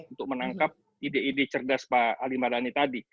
untuk menangkap ide ide cerdas pak ali mardani tadi